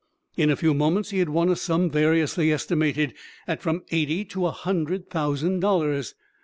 In a few moments he had won a sum variously estimated at from eighty to a hundred thousand dollars.